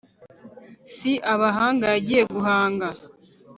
si abahanga yagiye guhanga